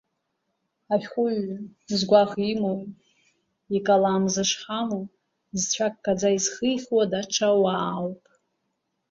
Ашәҟәыҩҩы згәаӷ имоу, икалам зышҳаму, зцәа каӡа изхихуа даҽа уаауп.